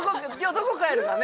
どこ帰るかね？